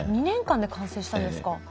２年間で完成したんですか？